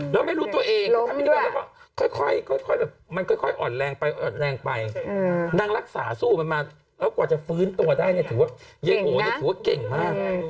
แล้วไม่รู้ตัวเองค่อยมันค่อยอ่อนแรงไปอ่อนแรงไปนางรักษาสู้มันมาแล้วกว่าจะฟื้นตัวได้เนี่ยถือว่าเย้โหเนี่ยถือว่าเก่งมาก